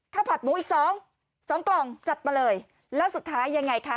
ผัดหมูอีกสองสองกล่องจัดมาเลยแล้วสุดท้ายยังไงคะ